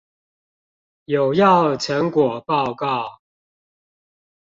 有要成果報告